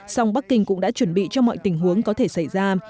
song bắc kinh cũng đã chuẩn bị cho mọi tình huống có thể xảy ra